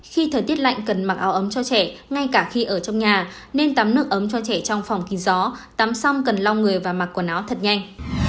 khi thời tiết lạnh cần mặc áo ấm cho trẻ ngay cả khi ở trong nhà nên tắm nước ấm cho trẻ trong phòng kín gió tắm sông cần long người và mặc quần áo thật nhanh